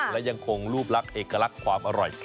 และยังคงรูปลักษณ์เอกลักษณ์ความอร่อย